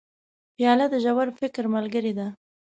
پیاله د ژور فکر ملګرې ده.